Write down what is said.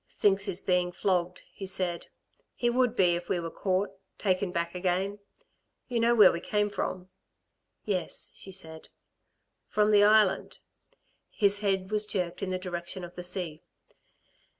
"Thinks he's being flogged," he said. "He would be if we were caught taken back again. You know where we came from?" "Yes," she said. "From the Island," his head was jerked in the direction of the sea.